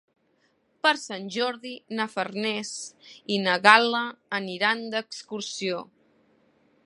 Per Sant Jordi na Farners i na Gal·la aniran d'excursió.